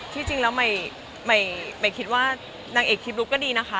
ที่จริงแล้วใหม่คิดว่านางเอกคลิปลุกก็ดีนะคะ